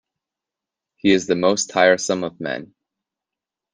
He is the most tiresome of men!